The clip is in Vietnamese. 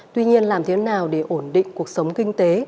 tuy nhiên làm thế nào để ổn định cuộc sống kinh tế